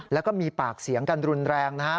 แล้วก็มีปากเสียงกันรุนแรงนะฮะ